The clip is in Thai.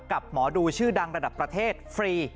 หมอดูชื่อดังระดับประเทศฟรี